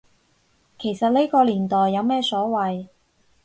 其實呢個年代有咩所謂